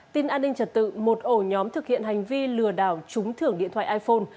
tin an ninh trật tự một ổ nhóm thực hiện hành vi lừa đảo trúng thưởng điện thoại iphone